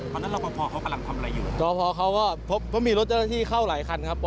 รอรับประพอเขากำลังทำอะไรอยู่รอพอเขาก็พบเพราะมีรถเจ้าหน้าที่เข้าหลายคันครับ